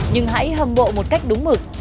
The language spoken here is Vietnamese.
nhưng hãy hâm mộ một cách đúng mực